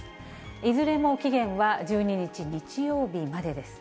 いずれも期限は１２日日曜日までです。